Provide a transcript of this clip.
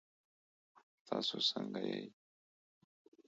تاسو څنګه یئ؟